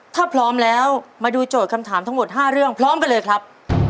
ถ้าพร้อมแล้วมาดูโจทย์คำถามทั้งหมด๕เรื่องพร้อมกันเลยครับ